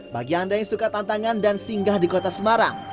bagi anda yang suka tantangan dan singgah di kota semarang